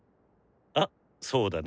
あっそうだね。